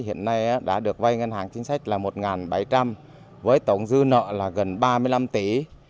hiện nay đã được vay ngân hàng chính sách là một bảy trăm linh với tổng dư nợ là gần ba mươi năm tỷ